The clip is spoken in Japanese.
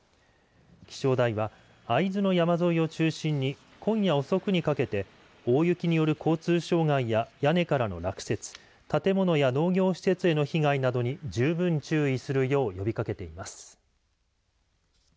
気象台は会津の山沿いを中心に今夜遅くにかけて大雪による交通障害や屋根からの落雪建物や農業施設への被害などに十分注意するよう呼びかけています。